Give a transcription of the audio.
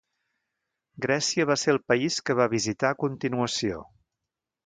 Grècia va ser el país que va visitar a continuació.